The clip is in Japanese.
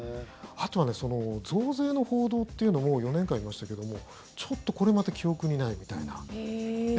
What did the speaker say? あとは増税の報道というのも４年間いましたけどもちょっとこれまた記憶にないみたいな。